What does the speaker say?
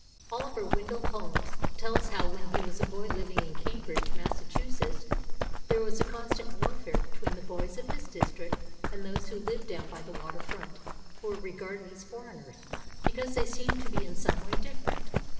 Oliver Wendell Holmes tells how when he was a boy living in Cambridge, Mass., there was a constant warfare between the boys of his district and those who lived down by the water front, who were regarded as foreigners, because they seemed to be in some way different.